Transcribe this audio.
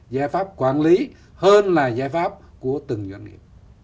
giải pháp quản lý hơn là giải pháp của từng doanh nghiệp